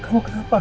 kamu kenapa sayang